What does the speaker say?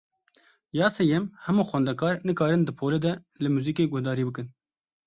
Ya sêyem, hemû xwendekar nikarin di polê de li muzîkê guhdarî bikin.